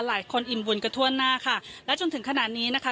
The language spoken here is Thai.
อิ่มบุญกันทั่วหน้าค่ะและจนถึงขนาดนี้นะคะ